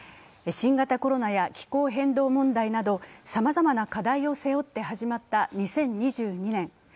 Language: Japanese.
新型コロナや気候変動問題などさまざまな課題を背負って始まった２０２２年。